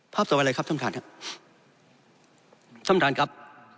ต่อไปเลยครับท่านท่านครับท่านประธานครับ